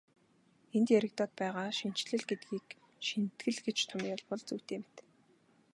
Энд яригдаад байгаа шинэчлэл гэдгийг шинэтгэл гэж томьёолбол зүйтэй мэт.